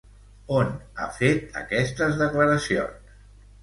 On ha fet aquestes declaracions?